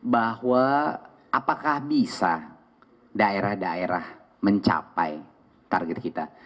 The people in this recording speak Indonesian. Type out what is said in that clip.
bahwa apakah bisa daerah daerah mencapai target kita